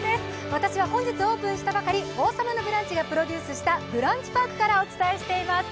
私は本日オープンしたばかり、「王様のブランチ」がプロデュースしたブランチパークからお伝えしています。